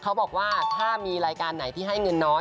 เขาบอกว่าถ้ามีรายการไหนที่ให้เงินน้อย